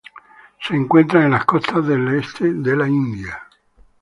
Se encuentran en las costas de la este de la India.